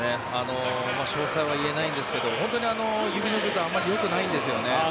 詳細は言えないんですが本当に指の状態あまりよくないんですよね。